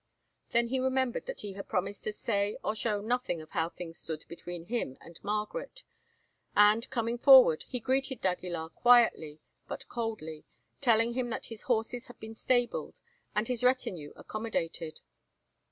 Then he remembered that he had promised to say or show nothing of how things stood between him and Margaret, and, coming forward, he greeted d'Aguilar quietly but coldly, telling him that his horses had been stabled, and his retinue accommodated.